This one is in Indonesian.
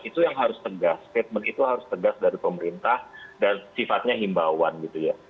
itu yang harus tegas statement itu harus tegas dari pemerintah dan sifatnya himbauan gitu ya